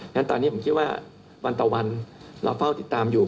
งั้นตอนนี้ผมคิดว่าวันต่อวันเราเฝ้าติดตามอยู่